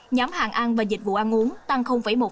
nhóm hàng ăn và dịch vụ ăn uống tăng một